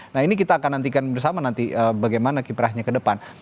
nah ini kita akan nantikan bersama nanti bagaimana kiprahnya ke depan